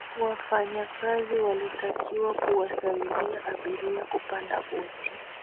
wafanyakazi walitakiwa kuwasaidia abiria kupanda boti